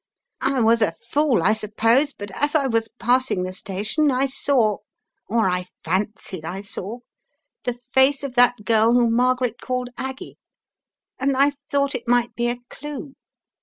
"I was a fool, I suppose, but as I was passing the station I saw, or I fancied I saw, the face of that girl whom Margaret called Aggie and I thought it might be a clue.